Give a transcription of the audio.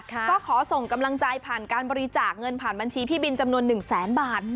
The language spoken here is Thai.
ก็ขอส่งกำลังใจผ่านการบริจาคเงินผ่านบัญชีพี่บินจำนวน๑แสนบาท